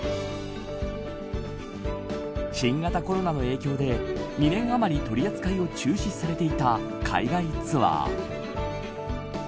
新型コロナの影響で２年余り取り扱いを中止されていた海外ツアー。